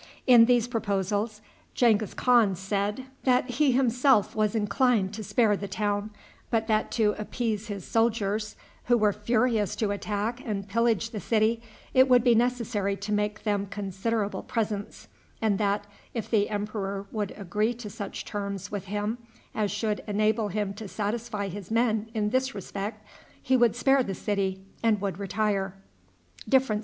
In these proposals Genghis Khan said that he himself was inclined to spare the town, but that to appease his soldiers, who were furious to attack and pillage the city, it would be necessary to make them considerable presents, and that, if the emperor would agree to such terms with him as should enable him to satisfy his men in this respect, he would spare the city and would retire.